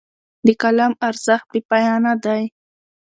د قلم ارزښت بې پایانه دی.